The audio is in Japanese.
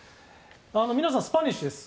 皆さん、スパニッシュです。